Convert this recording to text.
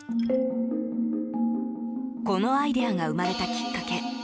このアイデアが生まれたきっかけ